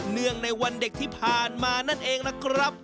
งในวันเด็กที่ผ่านมานั่นเองล่ะครับ